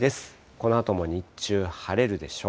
このあとも日中、晴れるでしょう。